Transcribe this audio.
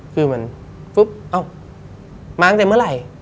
คือเหมือนปุ๊บเอ้ามาตั้งแต่เมื่อไหร่